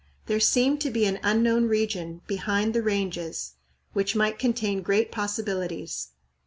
There seemed to be an unknown region, "behind the Ranges," which might contain great possibilities.